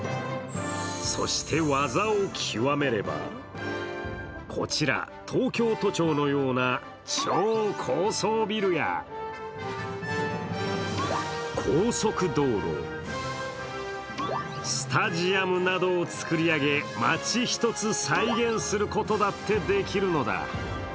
そして技を極めればこちら、東京都庁のような超高層ビルや高速道路、スタジアムなどを作り上げ街一つ再現することだってできるのだ。